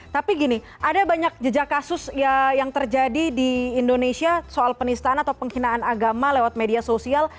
tapi gini ada banyak jejak kasus yang terjadi di indonesia soal penistaan atau pengkhinaan agama lewat media sosial